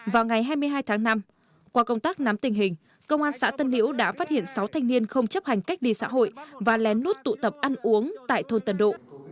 vào ngày hai mươi hai tháng năm qua công tác nắm tình hình công an xã tân liễu đã phát hiện sáu thanh niên không chấp hành cách ly xã hội và lén lút tụ tập ăn uống tại thôn tân độ